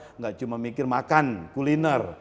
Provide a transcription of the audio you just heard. tidak cuma mikir makan kuliner